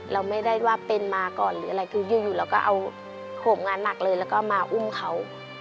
เราไม่ได้ว่าเป็นมาก่อนหรืออะไรคืออยู่เราก็เอาโหมงานหนักเลยแล้วก็มาอุ้มเขา